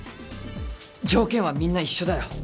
条件はみんな一緒だよ。